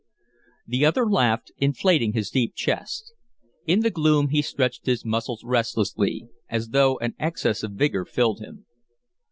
The other laughed, inflating his deep chest. In the gloom he stretched his muscles restlessly, as though an excess of vigor filled him.